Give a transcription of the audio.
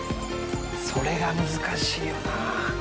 それが難しいよなあ。